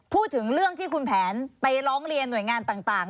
พูดถึงเรื่องที่คุณแผนไปร้องเรียนหน่วยงานต่าง